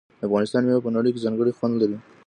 د افغانستان میوې په نړۍ کې ځانګړی خوند لري.